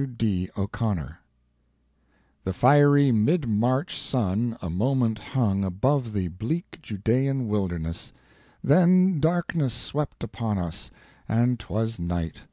_"—W. D. O'Connor. The fiery mid March sun a moment hung Above the bleak Judean wilderness; Then darkness swept upon us, and 't was night.